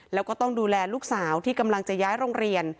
แล้วก็ต้องดูแลลูกสาวที่กำลังจะย้ายโรงเรียน